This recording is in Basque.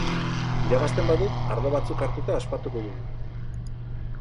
Irabazten badut, ardo batzuk hartuta ospatuko dugu.